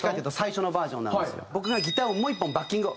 僕がギターをもう１本バッキングを。